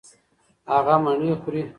هغه مڼې خوري.